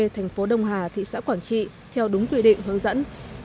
thành phố đông hà thị xã quảng trị theo đúng quy định hướng dẫn